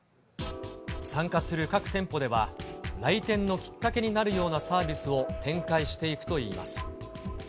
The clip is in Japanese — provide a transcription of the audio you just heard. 参加する各店舗では、来店のきっかけになるようなサービスを展開していくといいます。